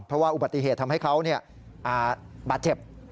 เพราะว่าอุบัติเหตุทำให้เขาบาดเจ็บ